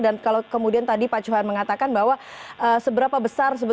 dan kalau kemudian tadi pak cuhan mengatakan bahwa seberapa besar